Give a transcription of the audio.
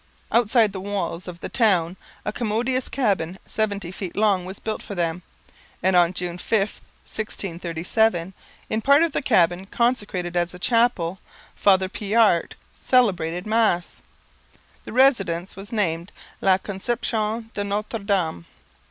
Outside the walls of the town a commodious cabin seventy feet long was built for them; and on June 5, 1637, in the part of the cabin consecrated as a chapel, Father Pijart celebrated Mass. The residence was named La Conception de Notre Dame.